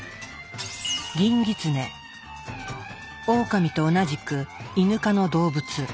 オオカミと同じくイヌ科の動物。